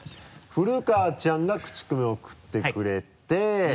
古川ちゃんがクチコミを送ってくれてはい。